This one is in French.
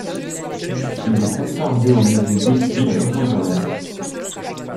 Il est conservé au musée Getty à Los Angeles.